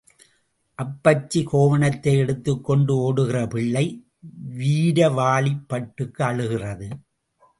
அப்பச்சி கோவணத்தை எடுத்துக் கொண்டு ஓடுகிறது பிள்ளை வீரவாளிப் பட்டுக்கு அழுகிறது.